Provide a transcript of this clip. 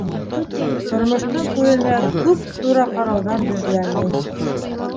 Тормоштоң күҙенә туп- тура ҡарауҙан бөжләне.